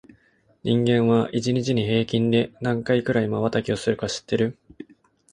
人間は、一日に平均で何回くらいまばたきをするか知ってる？